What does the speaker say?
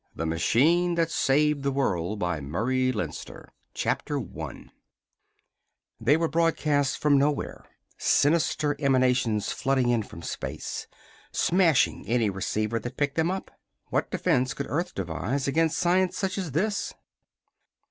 THE MACHINE THAT SAVED THE WORLD By MURRAY LEINSTER _They were broadcasts from nowhere sinister emanations flooding in from space smashing any receiver that picked them up. What defense could Earth devise against science such as this?